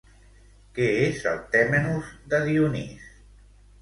Què és el Tèmenos de Dionís?